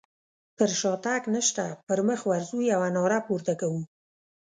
پر شاتګ نشته پر مخ ورځو يوه ناره پورته کوو.